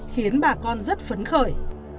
khiến bà con rất phấn khởi